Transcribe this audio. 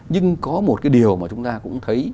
nhưng có một điều mà chúng ta cũng thấy